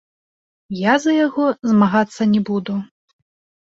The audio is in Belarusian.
Я за яго змагацца не буду.